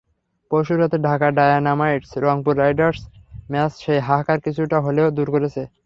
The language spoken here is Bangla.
পরশু রাতে ঢাকা ডায়নামাইটস-রংপুর রাইডার্স ম্যাচ সেই হাহাকার কিছুটা হলেও দূর করেছে।